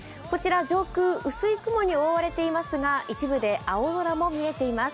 上空、薄い雲に覆われていますが一部で青空も見えています。